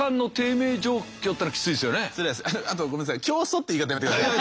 教祖って言い方やめてください。